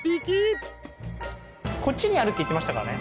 こっちにあるって言ってましたかね。